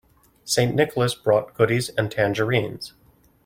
St. Nicholas brought goodies and tangerines.